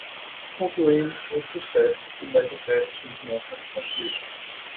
Concluímos com sucesso o beta testing de nosso aplicativo.